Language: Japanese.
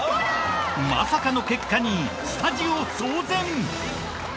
まさかの結果にスタジオ騒然！